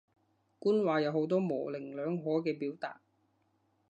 官話有好多模棱兩可嘅表達